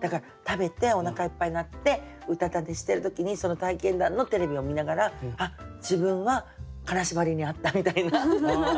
だから食べておなかいっぱいになってうたた寝してる時にその体験談のテレビを見ながら自分は金縛りに遭ったみたいな。